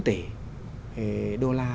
bốn tỷ đô la